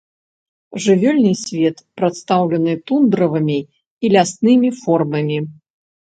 Жывёльны свет прадстаўлены тундравымі і ляснымі формамі.